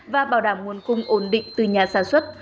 và bảo đảm nguồn cung ổn định từ nhà sản xuất